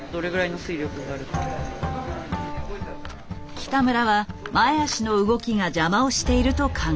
北村は前脚の動きが邪魔をしていると考えた。